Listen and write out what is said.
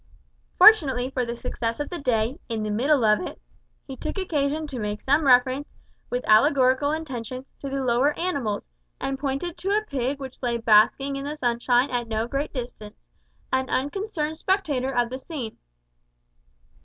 Fortunately for the success of the day, in the middle of it, he took occasion to make some reference, with allegorical intentions, to the lower animals, and pointed to a pig which lay basking in the sunshine at no great distance, an unconcerned spectator of the scene.